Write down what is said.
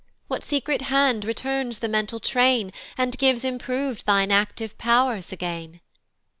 What secret hand returns the mental train, And gives improv'd thine active pow'rs again?